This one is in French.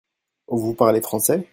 Vous parlez français ?